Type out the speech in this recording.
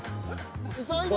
急いで。